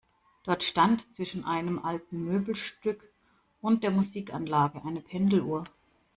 Dort stand zwischen einem alten Möbelstück und der Musikanlage eine Pendeluhr.